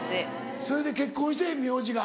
それで結婚して名字が。